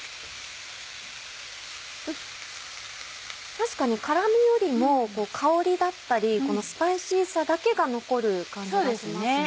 確かに辛みよりも香りだったりこのスパイシーさだけが残る感じがしますね。